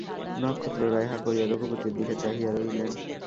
নক্ষত্ররায় হাঁ করিয়া রঘুপতির দিকে চাহিয়া রহিলেন।